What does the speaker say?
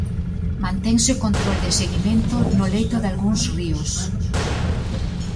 Mantense o control de seguimento no leito dalgúns ríos.